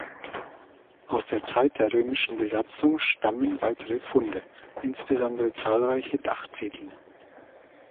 Aus der Zeit der römischen Besatzung stammen weitere Funde, insbesondere zahlreiche Dachziegel.